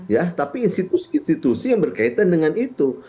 ya tapi institusi institusi yang berkaitan dengan itu